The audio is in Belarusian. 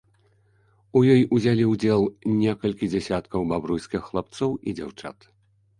У ёй узялі ўдзел некалькі дзесяткаў бабруйскіх хлапцоў і дзяўчат.